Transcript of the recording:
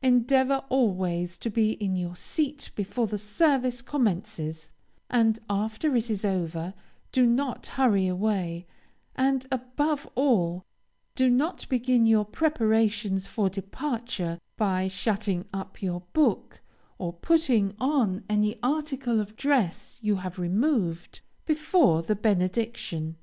Endeavor always to be in your seat before the service commences, and after it is over do not hurry away, and, above all, do not begin your preparations for departure, by shutting up your book, or putting on any article of dress you have removed, before the benediction.